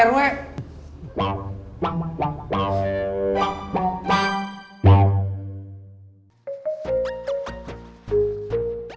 saya mau jadi hansip aja perwe